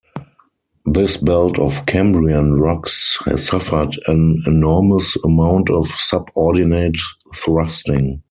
This belt of Cambrian rocks has suffered an enormous amount of subordinate thrusting.